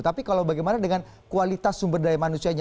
tapi kalau bagaimana dengan kualitas sumber daya manusianya